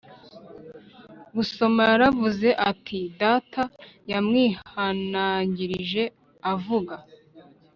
Gusoma yaravuze ati data yamwihanangirije avuga